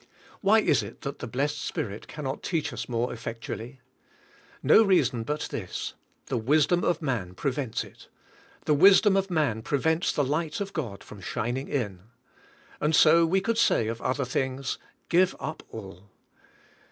Why is it that the blessed Spirit can not teach us more effectually? No reason but this: the wis dom of man prevents it; the wisdom of man pre vents the light of God from shining in. And so we could say of other things; give up all.